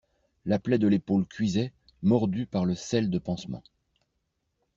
La plaie de l'épaule cuisait, mordue par le sel de pansement.